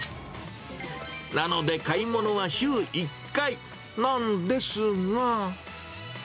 なので買い物は週１回、なんですが。